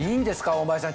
大前さん